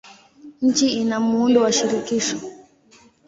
Nchi ina muundo wa shirikisho.